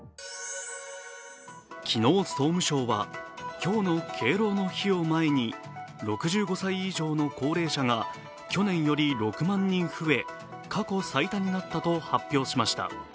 昨日、総務省は今日の敬老の日を前に６５歳以上の高齢者が去年より６万人増え、過去最多になったと発表しました。